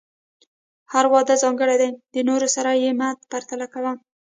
هر واده ځانګړی دی، د نورو سره یې مه پرتله کوه.